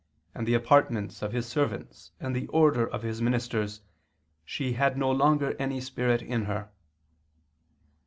. and the apartments of his servants, and the order of his ministers ... she had no longer any spirit in her."